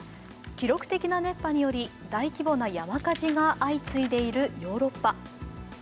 記録的な熱波により大規模な山火事が相次いでいるヨーロッパ。